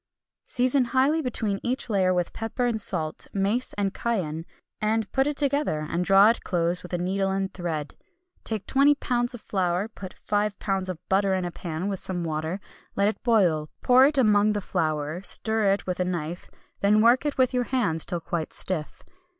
Season highly between each layer with pepper and salt, mace and cayenne, and put it together, and draw it close with a needle and thread. Take 20 lbs. of flour, put 5 lbs. of butter into a pan with some water, let it boil, pour it among the flour, stir it with a knife, then work it with your hands till quite stiff.